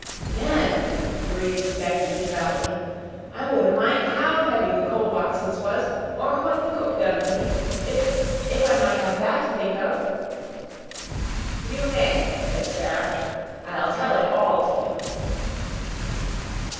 "Then," breathed Becky, devoutly, "I wouldn't mind HOW heavy the coal boxes was or WHAT the cook done to me, if if I might have that to think of." "You may," said Sara. "I'll tell it ALL to you."